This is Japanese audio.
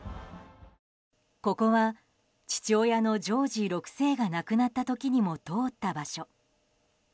ここは、父親のジョージ６世が亡くなった時にも通った場所。